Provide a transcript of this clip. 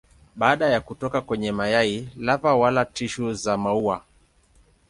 Baada ya kutoka kwenye mayai lava wala tishu za maua.